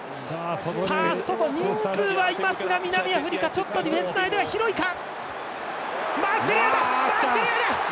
外、人数はいますが南アフリカディフェンスの間が広いか。